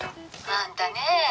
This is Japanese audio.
あんたねえ